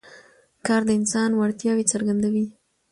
کار د انسان وړتیاوې څرګندوي